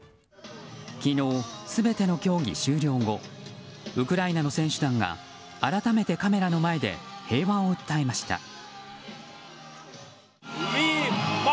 昨日、全ての競技終了後ウクライナの選手団が改めてカメラの前で平和を訴えました。